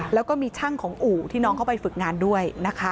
แล้วก็มีช่างของอู่ที่น้องเข้าไปฝึกงานด้วยนะคะ